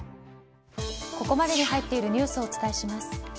ここまでに入っているニュースをお伝えします。